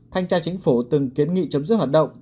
thanh tra chính phủ từng kiến nghị chấm dứt hoạt động